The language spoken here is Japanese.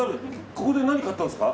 ここで何買ったんですか。